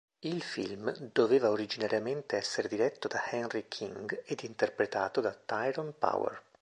Il film doveva originariamente essere diretto da Henry King ed interpretato da Tyrone Power.